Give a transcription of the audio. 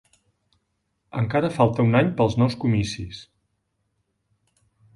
Encara falta un any pels nous comicis